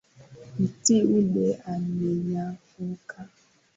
Mti ule umenyauka .